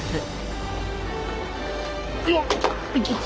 よっ！